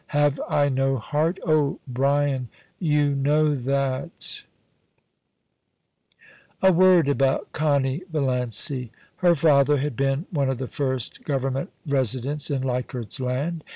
* Have I no heart ? Oh, Brian ! you know that *••##• A word about Connie Valiancy. Her father had been one of the first Government Resi dents in Leichardt's Land.